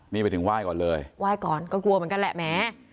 นี่ไปถึงไหว้ก่อนเลยไหว้ก่อนก็กลัวเหมือนกันแหละแหม